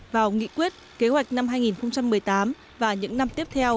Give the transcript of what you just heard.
vào nghị quyết kế hoạch năm hai nghìn một mươi tám